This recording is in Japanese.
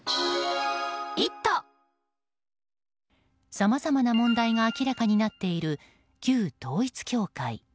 さまざまな問題が明らかになっている旧統一教会。